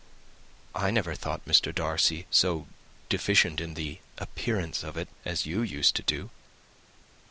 "I never thought Mr. Darcy so deficient in the appearance of it as you used to do."